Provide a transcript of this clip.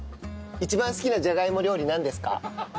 一番好きなじゃがいも料理なんですか？